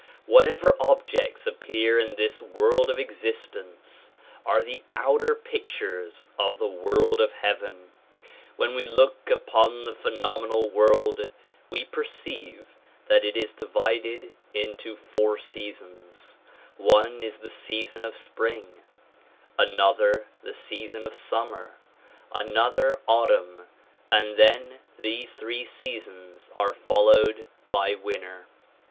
Whatever objects appear in this world of existence are the outer pictures of the world of heaven. When we look upon the phenomenal world we perceive that it is divided into four seasons ; one is the season of spring, another the season of summer, another autumn and then these three seasons are followed by winter.